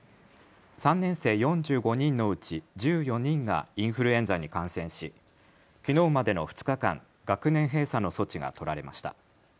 ３年生４５人のうち１４人がインフルエンザに感染しきのうまでの２日間、学年閉鎖の措置が取られました。